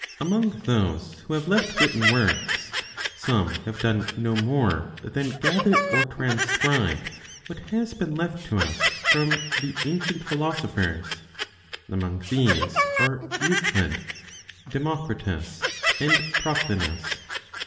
Among those who have left written works, some have done no more than gather or transcribe what has been left to us from the ancient (philosophers); among these are Euclides, Democritus and Proclinus.